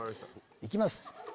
いきます！